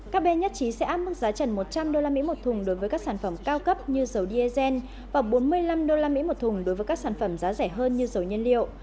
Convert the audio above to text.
các bên nhất trí sẽ áp mức giá trần một trăm linh usd một thùng đối với các sản phẩm cao cấp như dầu diesel và bốn mươi năm usd một thùng đối với các sản phẩm giá rẻ hơn như dầu nhân liệu